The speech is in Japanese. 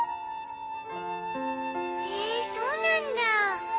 へえそうなんだ。